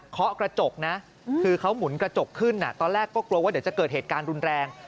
เขากระจกนะคือเขาหมุนกระจกขึ้นตอนแรกก็กลัวว่าเดี๋ยวจะเกิดเหตุการณ์รุนแรง